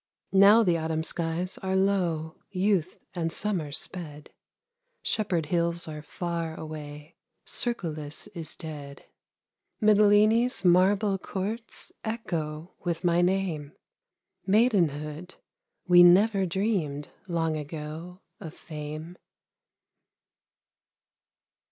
_ Now the autumn skies are low, Youth and summer sped; Shepherd hills are far away, Cercolas is dead. Mitylene's marble courts Echo with my name; Maidenhood, we never dreamed, Long ago of fame.